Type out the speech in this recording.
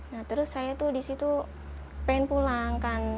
nah terus saya tuh disitu pengen pulang kan